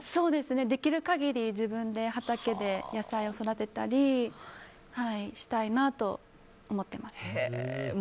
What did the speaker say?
できる限り自分で畑で野菜を育てたりしたいなと思ってます。